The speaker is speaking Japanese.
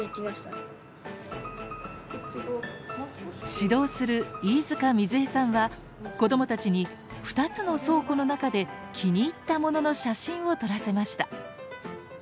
指導する飯塚みづ江さんは子どもたちに２つの倉庫の中で気に入った物の写真を撮らせました。